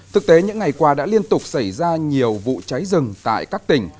thực tế những ngày qua đã liên tục xảy ra nhiều vụ cháy rừng tại các tỉnh